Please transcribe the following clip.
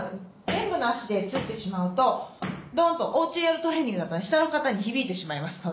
全部の足でついてしまうとドンとおうちでやるトレーニングだったら下の方に響いてしまいますので。